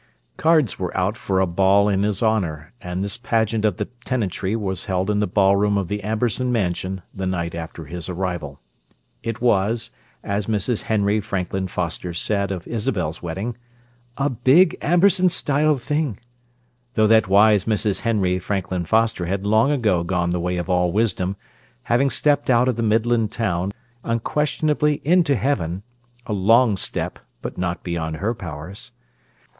Cards were out for a ball in his honour, and this pageant of the tenantry was held in the ballroom of the Amberson Mansion the night after his arrival. It was, as Mrs. Henry Franklin Foster said of Isabel's wedding, "a big Amberson style thing," though that wise Mrs. Henry Franklin Foster had long ago gone the way of all wisdom, having stepped out of the Midland town, unquestionably into heaven—a long step, but not beyond her powers.